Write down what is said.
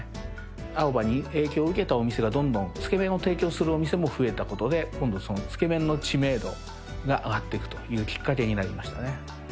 青葉に影響を受けたお店がどんどんつけ麺を提供するお店も増えたことで、今度、そのつけ麺の知名度が上がっていくというきっかけになりましたね。